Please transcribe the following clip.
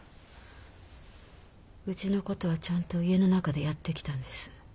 うちのことはちゃんと家の中でやってきたんです。